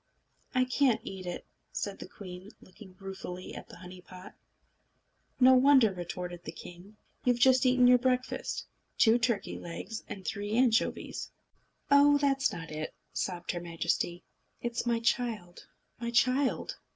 "I can't eat it," said the queen, looking ruefully at the honey pot. "No wonder!" retorted the king. "You've just eaten your breakfast two turkey eggs, and three anchovies." "Oh, that's not it!" sobbed her Majesty. "It's my child, my child!"